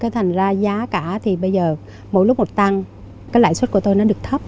thành ra giá cả bây giờ mỗi lúc một tăng lãi suất của tôi được thấp